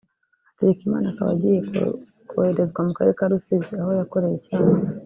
Hategekimana akaba agiye koherezwa mu karere ka Rusizi aho yakoreye icyaha